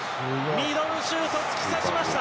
ミドルシュート突き刺しました！